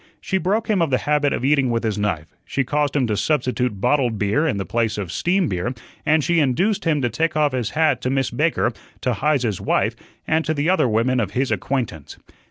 She broke him of the habit of eating with his knife, she caused him to substitute bottled beer in the place of steam beer, and she induced him to take off his hat to Miss Baker, to Heise's wife, and to the other women of his acquaintance.